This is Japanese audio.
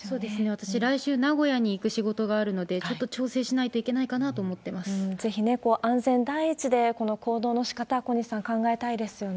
私、来週名古屋に行く仕事があるので、ちょっと調整しないといけないかぜひね、安全第一でこの行動のしかた、小西さん、考えたいですよね。